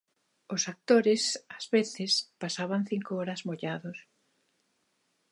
Os actores ás veces pasaban cinco horas mollados.